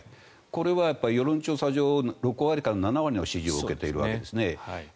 これは世論調査上６割から７割の支持を受けているわけですね。